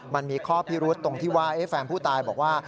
มันมีข้อพิรุษตรงที่ว่าแฟนผู้ตายบอกว่า